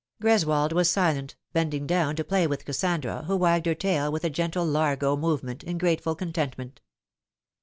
Greswold was silent, bending down to play with Kassandra, who wagged her tail with a gentle largo movement, in grateful contentment.